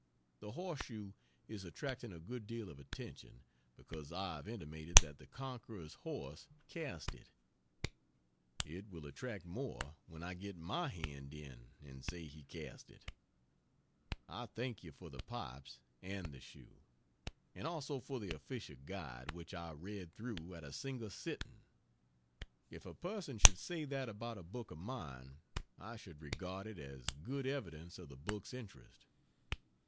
The Horse shoe is attracting a good deal of attention, because I have intimated that the conqueror's horse cast it; it will attract more when I get my hand in and say he cast it, I thank you for the pipes and the shoe; and also for the official guide, which I read through at a single sitting. If a person should say that about a book of mine I should regard it as good evidence of the book's interest.